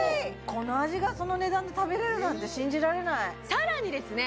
この味がその値段で食べれるなんて信じられないさらにですね